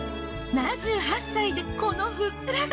７８歳でこのふっくら感。